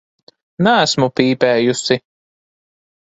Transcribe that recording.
Neesmu pīpējusi.